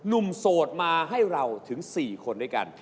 โสดมาให้เราถึง๔คนด้วยกัน